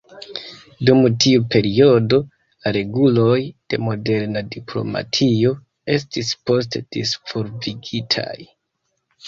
Dum tiu periodo la reguloj de moderna diplomatio estis poste disvolvigitaj.